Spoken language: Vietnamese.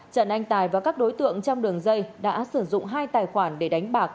trần anh tài và các đối tượng trong đường dây đã sử dụng hai tài khoản để đánh bạc